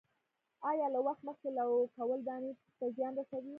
آیا له وخت مخکې لو کول دانې ته زیان رسوي؟